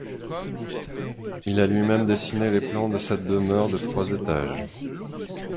Il a lui-même dessiné les plans de cette demeure de trois étages.